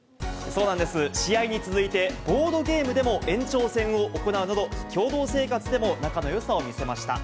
そうなんです、試合に続いて、ボードゲームでも延長戦を行うなど、共同生活でも仲のよさを見せました。